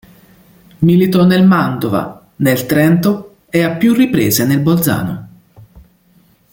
Militò nel Mantova, nel Trento e, a più riprese, nel Bolzano.